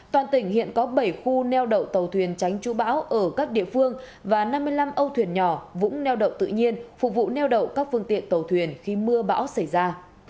toàn tỉnh hiện có bảy khu neo đậu tàu thuyền tránh chú bão ở các địa phương và năm mươi năm âu thuyền nhỏ vũng neo đậu tự nhiên phục vụ neo đậu các phương tiện tàu thuyền khi mưa bão xảy ra